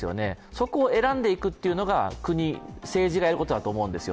そこを選んでいくというのが国、政治がやることだと思うんですよ。